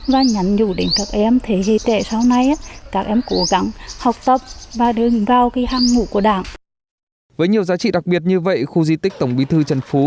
với nhiều giá trị đặc biệt như vậy khu di tích tổng bí thư trần phú